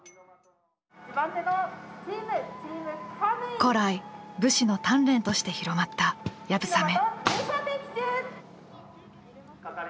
古来武士の鍛錬として広まった流鏑馬。